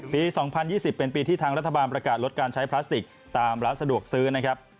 ๒๐๒๐เป็นปีที่ทางรัฐบาลประกาศลดการใช้พลาสติกตามร้านสะดวกซื้อนะครับ